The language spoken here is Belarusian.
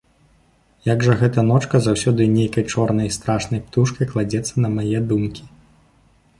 Як жа гэта ночка заўсёды нейкай чорнай і страшнай птушкай кладзецца на мае думкі!